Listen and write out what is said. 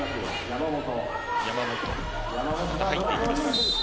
山本が入っていきます。